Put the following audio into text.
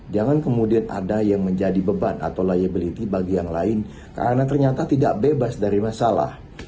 jangan kemudian ada yang menjadi beban atau liability bagi yang lain karena ternyata tidak bebas dari masalah